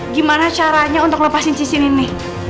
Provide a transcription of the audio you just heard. gimana caranya untuk lepasin cisin ini